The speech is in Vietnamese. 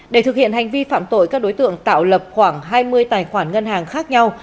để thực hiện hành vi phạm tội các đối tượng tạo lập khoảng hai mươi tài khoản ngân hàng khác nhau